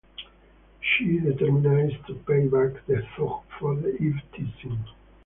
She determines to payback the thug for the eve teasing.